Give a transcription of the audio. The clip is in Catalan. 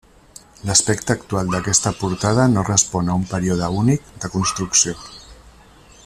L'aspecte actual d'aquesta portada no respon a un període únic de construcció.